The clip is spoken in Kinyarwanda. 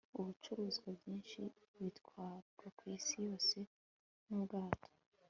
ibicuruzwa byinshi bitwarwa kwisi yose nubwato